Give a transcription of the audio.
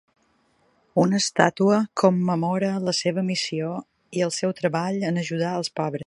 Una estàtua commemora la seva missió i el seu treball en ajudar els pobres.